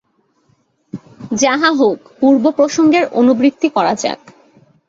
যাহা হউক, পূর্ব প্রসঙ্গের অনুবৃত্তি করা যাক।